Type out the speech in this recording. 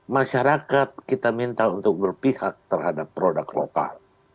masyarakat kita minta untuk berpihak terhadap produk lokal